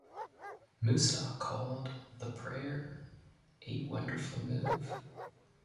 Moosa called the prayer a wonderful move.